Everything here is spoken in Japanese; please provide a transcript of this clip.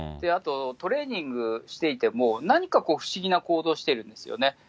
あと、トレーニングしていても、何かこう、不思議な行動してるんですよね。